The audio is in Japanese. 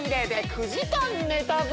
９時間寝たぜ。